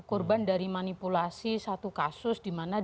korban dari manipulasi satu kasus di mana